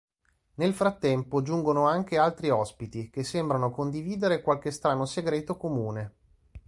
Nel frattempo giungono anche altri ospiti che sembrano condividere qualche strano segreto comune.